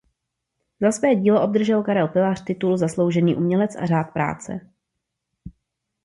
Za své dílo obdržel Karel Pilař titul Zasloužilý umělec a Řád práce.